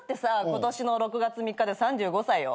今年の６月３日で３５歳よ。